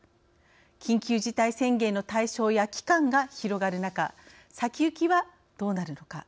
緊急事態宣言の対象や期間が広がる中先行きはどうなるのか。